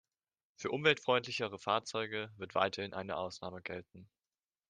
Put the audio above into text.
Für umweltfreundlichere Fahrzeuge wird weiterhin eine Ausnahme gelten.